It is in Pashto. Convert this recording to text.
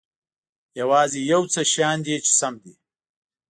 یوازې یو څه شیان دي چې سم نه دي.